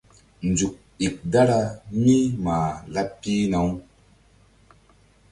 Nzuk ík dara mí mah laɓ pihna-u.